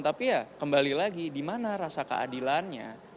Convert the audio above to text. tapi ya kembali lagi dimana rasa keadilannya